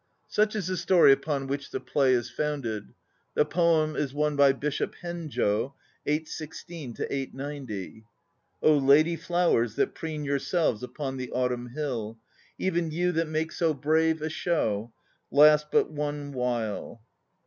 Such is the story upon which the play is founded. The poem is one by Bishop Henjo (816 890) : lady flowers That preen yourselves upon the autumn hill, Even you that make so brave a show, Last but "one while."